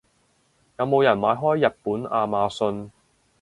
有冇人買開日本亞馬遜？